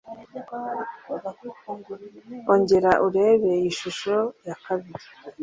Ongera urebe iyi shusho y'akabiri.